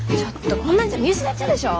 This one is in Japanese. こんなんじゃ見失っちゃうでしょ？